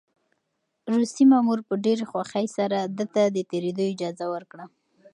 روسي مامور په ډېرې خوښۍ سره ده ته د تېرېدو اجازه ورکړه.